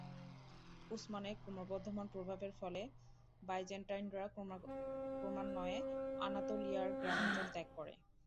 উসমানের ক্রমবর্ধমান প্রভাবের ফলে বাইজেন্টাইনরা ক্রমান্বয়ে আনাতোলিয়ার গ্রামাঞ্চল ত্যাগ করে।